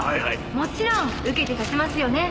もちろん受けて立ちますよね？」